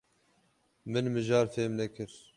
Min mijar fêm nekir.